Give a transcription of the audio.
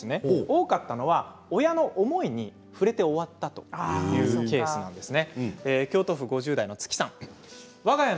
多かったのは親の思いに触れて終わったというケースです。